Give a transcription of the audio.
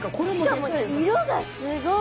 しかも色がすごい。